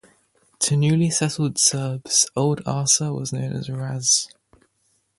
To newly settled Serbs, old Arsa was known as Ras.